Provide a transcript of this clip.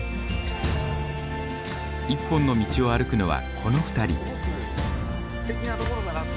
一本の道を歩くのはこの２人。